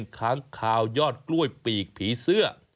ค้างคาวยอดกล้วยปีกผีเสื้อ